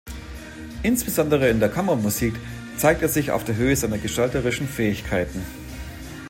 Insbesondere in der Kammermusik zeigt er sich auf der Höhe seiner gestalterischen Fähigkeiten.